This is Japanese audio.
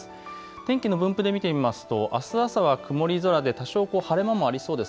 天気の分布で見てみますとあす朝は曇り空で多少晴れ間もありそうです。